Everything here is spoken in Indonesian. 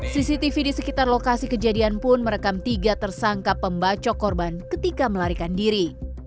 cctv di sekitar lokasi kejadian pun merekam tiga tersangka pembacok korban ketika melarikan diri